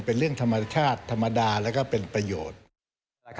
เป็นเรื่องธรรมดาชาติและเป็นประโยชน์